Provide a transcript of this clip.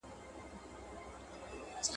• مار هم په دښمن مه وژنه.